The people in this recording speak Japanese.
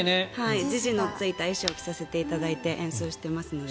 ジジのついた衣装を着させていただいて演奏していますので。